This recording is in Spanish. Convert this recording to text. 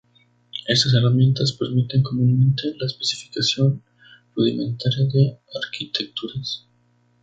Estas herramientas permiten comúnmente la especificación rudimentaria de arquitecturas.